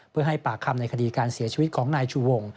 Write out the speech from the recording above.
เพื่อให้ปากคำในคดีการเสียชีวิตของนายชูวง